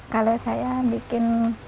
kalau saya bikin